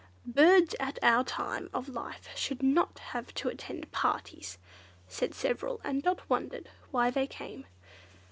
"Birds at our time of life should not have to attend parties," said several, and Dot wondered why they came.